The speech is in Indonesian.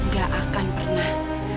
gak akan pernah